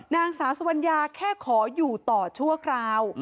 นางสาวสุวรรณญาแค่ขออยู่ต่อชั่วคราว